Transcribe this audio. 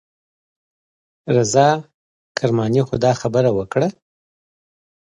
رضا کرماني خو دا خبره وکړه.